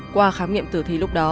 qua khám nghiệm tử thi lúc đó